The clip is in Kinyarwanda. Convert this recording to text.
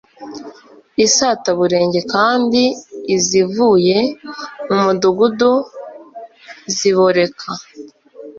isataburenge kandi izivuye mu mudugudu ziboreka